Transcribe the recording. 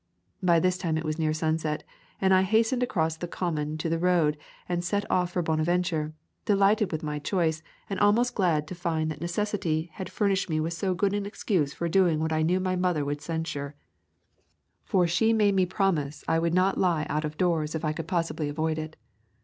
. By this time it was near sunset, and I has tened across the common to the road and set off for Bonaventure, delighted with my choice, and almost glad to find that necessity had furnished [ 73 | 'A Thousand Mile W alk me with so good an excuse for doing what I knew my mother would censure; for she made me promise I would not lie out of doors if I could possibly avoid it.